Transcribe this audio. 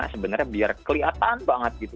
sebenarnya biar kelihatan banget